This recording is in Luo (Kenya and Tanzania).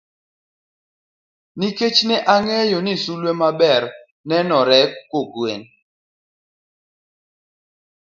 Nikech ne ang'eyo ni sulwe maber nenore kogwen.